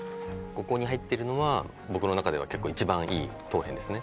ここに入ってるのは僕の中では一番いい陶片ですね